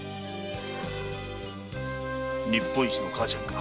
日本一の母ちゃんか。